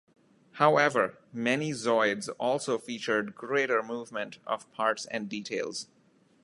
However, many Zoids also featured greater movement of parts and details.